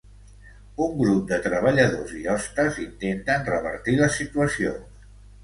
Un grup de treballadors i hostes intenten revertir la situació.